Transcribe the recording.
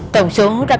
tổng số đã có một triệu